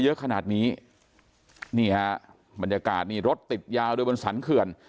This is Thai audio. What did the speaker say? เยอะขนาดนี้นี่ฮะบรรยากาศนี่รถติดยาวด้วยบนสรรเขื่อน